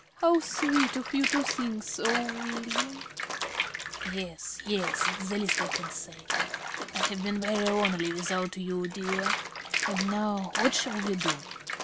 ~Arabella.~ How sweet of you to think so, William. ~Smith.~ Yes, yes, it's the least I can say.... I have been very lonely without you, dear.... And now, what shall we do?